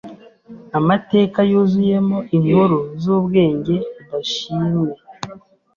Amateka yuzuyemo inkuru zubwenge budashimwe.